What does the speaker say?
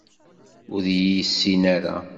Ur d-iyi-yessin ara?